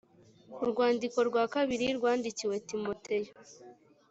urwandiko rwa kabiri rwandikiwe timoteyo